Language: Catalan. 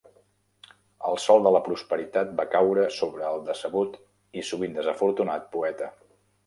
El sol de la prosperitat va caure sobre el decebut i sovint desafortunat poeta.